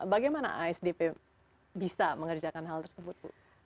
bagaimana asdp bisa mengerjakan hal tersebut bu